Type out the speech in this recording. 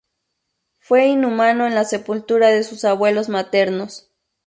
Fue inhumado en la sepultura de sus abuelos maternos.